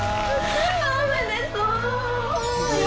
おめでとう！